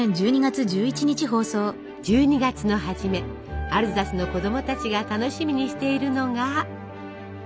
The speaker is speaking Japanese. １２月の初めアルザスの子どもたちが楽しみにしているのが。